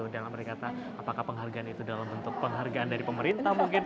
dalam mereka apakah penghargaan itu dalam bentuk penghargaan dari pemerintah mungkin